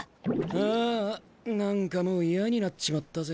ああ何かもう嫌になっちまったぜ。